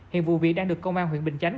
hiện vụ việc đang được công an huyện bình chánh